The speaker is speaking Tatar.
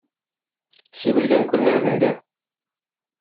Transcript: Сибелгән күлмәгеңдә.